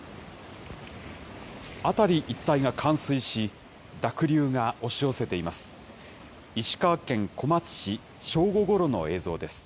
辺り一帯が冠水し、濁流が押し寄せています。